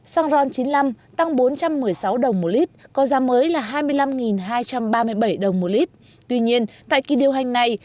xăng ron chín mươi năm tăng bốn trăm một mươi sáu đồng một lít có giá mới là hai mươi năm hai trăm ba mươi bảy đồng một lít tuy nhiên tại kỳ điều hành này